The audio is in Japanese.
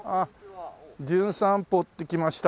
『じゅん散歩』で来ました